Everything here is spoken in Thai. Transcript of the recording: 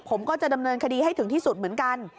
ผมก็จะดำเนินคดีให้ถึงที่สุดเหมือนกัน